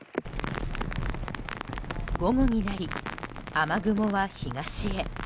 午後になり、雨雲は東へ。